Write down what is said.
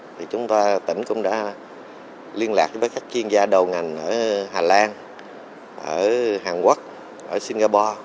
thì chúng ta tỉnh cũng đã liên lạc với các chuyên gia đầu ngành ở hà lan ở hàn quốc ở singapore